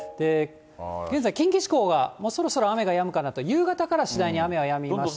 現在、近畿地方がそろそろ雨がやむかなと、夕方から次第に雨がやみまして。